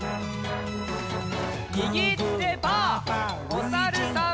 おさるさん。